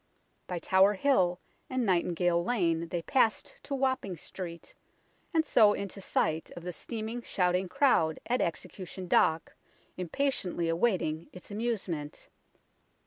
By Tower Hill and Nightingale Lane they passed to Wapping High Street, and so into sight of the steaming, shouting crowd at Execution Dock, impatiently awaiting its amusement.